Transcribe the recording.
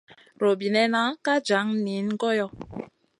Robinena ka jan niyna goyo.